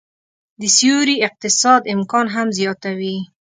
د سیوري اقتصاد امکان هم زياتوي